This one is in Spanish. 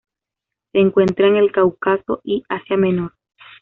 Se encuentra en el Cáucaso y en Asia Menor.